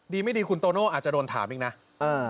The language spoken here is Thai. ไม่ดีคุณโตโน่อาจจะโดนถามอีกนะ